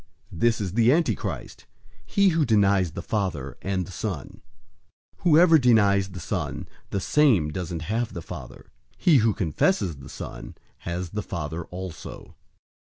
This is the Antichrist, he who denies the Father and the Son. 002:023 Whoever denies the Son, the same doesn't have the Father. He who confesses the Son has the Father also.